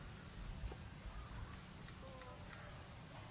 พันไหน